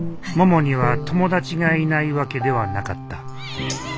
ももには友達がいないわけではなかった。